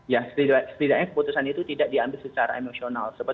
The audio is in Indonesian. ya setidaknya keputusan itu tidak diambil secara emosional